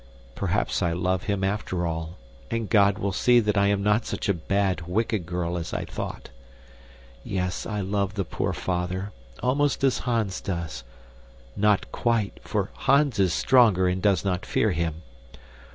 Perhaps I love him, after all, and God will see that I am not such a bad, wicked girl as I thought. Yes, I love the poor father almost as Hans does not quite, for Hans is stronger and does not fear him.